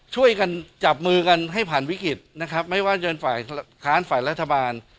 ช่วยกันจับมือกันให้ผ่านวิกฤตนะครับไม่ว่าจะฝ่ายค้านฝ่ายรัฐบาล